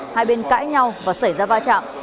hai bên cãi nhau và xảy ra va chạm